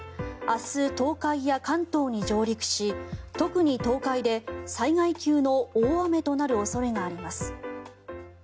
明日、東海や関東に上陸し特に東海で災害級の大雨となる恐れがあります。